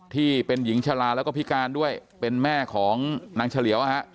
ที่เป็นหญิงชะลาแล้วก็พิการด้วยเป็นแม่ของนางเฉลียว